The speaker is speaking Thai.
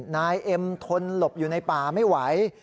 นายเอ็มทนหลบอยู่ในป่าไม่ไหว